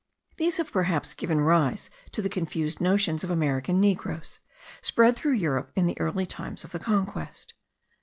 These have perhaps given rise to the confused notions of American negroes, spread through Europe in the early times of the conquest.